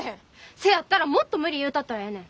せやったらもっと無理言うたったらええねん。